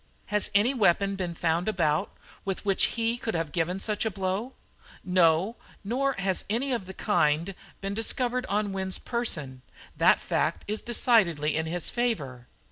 "Has any weapon been found about, with which he could have given such a blow?" "No; nor has anything of the kind been discovered on Wynne's person; that fact is decidedly in his favour."